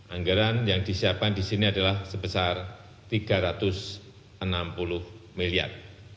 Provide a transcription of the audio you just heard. anggaran yang disiapkan di sini adalah sebesar rp tiga ratus enam puluh miliar